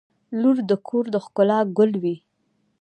• لور د کور د ښکلا ګل وي.